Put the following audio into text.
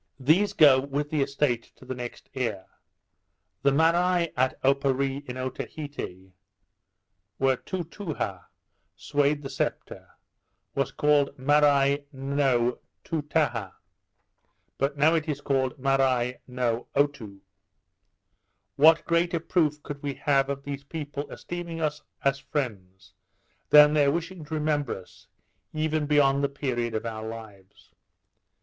These go with the estate to the next heir. The Marai at Oparee in Otaheite, when Tootaha swayed the sceptre, was called Marai no Tootaha; but now it is called Marai no Otoo. What greater proof could we have of these people esteeming us as friends, than their wishing to remember us, even beyond the period of our lives?